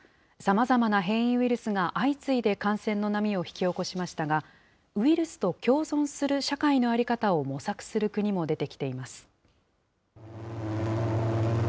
さまざまな変異ウイルスが相次いで感染の波を引き起こしましたが、ウイルスと共存する社会の在り方を模索する国も出てきています。